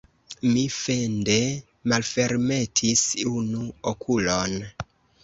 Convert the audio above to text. Mi fende malfermetis unu okulon.